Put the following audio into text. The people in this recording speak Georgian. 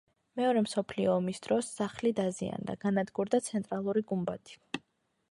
მეორე მსოფლიო ომის დროს სახლი დაზიანდა, განადგურდა ცენტრალური გუმბათი.